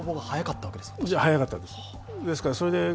早かったんです。